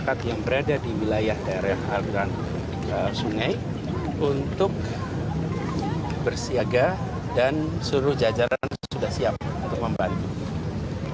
masyarakat yang berada di wilayah daerah aliran sungai untuk bersiaga dan seluruh jajaran sudah siap untuk membantu